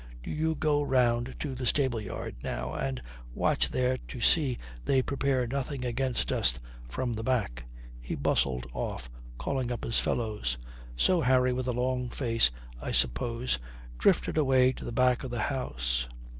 Do you go round to the stable yard, now, and watch there to see they prepare nothing against us from the back." He bustled off, calling up his fellows. So Harry, with a long face, I suppose, drifted away to the back of the house.